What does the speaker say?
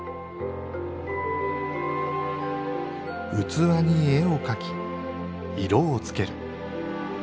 器に絵を描き、色をつける。